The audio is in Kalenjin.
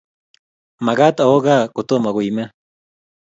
Magat awo kaa kotom koimen